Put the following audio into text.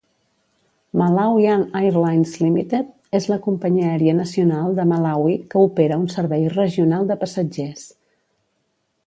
Malawian Airlines Limited és la companyia aèria nacional de Malawi que opera un servei regional de passatgers.